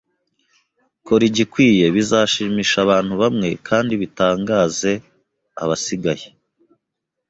Kora igikwiye. Bizashimisha abantu bamwe kandi bitangaze abasigaye.